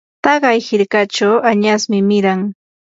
taqay hirkachaw añasmi miran.